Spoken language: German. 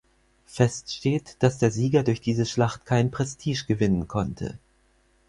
Fest steht, dass der Sieger durch diese Schlacht kein Prestige gewinnen konnte.